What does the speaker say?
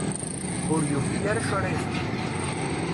Ur yufi ara acu ara yexdem.